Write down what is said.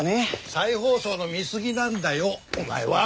再放送の見すぎなんだよお前は！